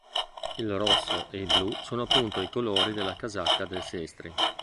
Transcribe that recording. Il rosso e il blu sono appunto i colori della casacca del Sestri.